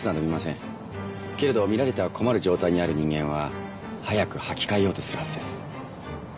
けれど見られては困る状態にある人間は早く履き替えようとするはずです。